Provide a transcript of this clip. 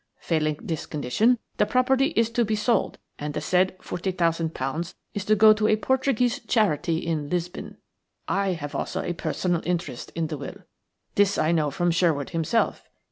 Failing this condition, the property is to be sold, and the said forty thousand pounds is to go to a Portuguese charity in Lisbon. I also have a personal interest in the will. This I knew from Sherwood himself.